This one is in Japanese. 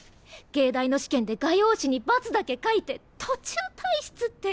藝大の試験で画用紙にバツだけ描いて途中退室って。